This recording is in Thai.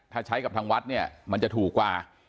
ถ้าใช้กับทางวัดเนี่ยมันจะถูกกว่า